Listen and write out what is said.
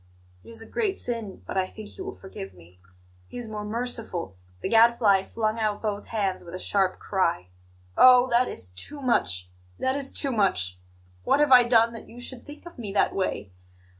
It is a great sin; but I think He will forgive me. He is more merciful " The Gadfly flung out both hands with a sharp cry. "Oh, that is too much! That is too much! What have I done that you should think of me that way?